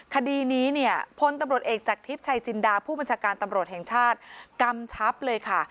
คดีนี้เนี่ยพลตำรวจเอกจากทิพย์ชัยจินดาผู้บัญชาการตำรวจแห่งชาติกำชับเลยค่ะ